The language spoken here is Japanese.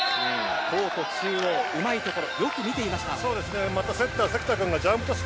コート中央、うまいところよく見ていました。